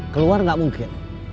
keluar gak mungkin